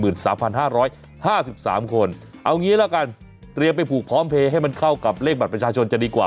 เอางี้ละกันเตรียมไปผูกพร้อมเพลย์ให้มันเข้ากับเลขบัตรประชาชนจะดีกว่า